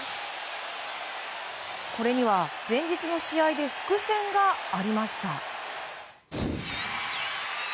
これには前日の試合で伏線がありました。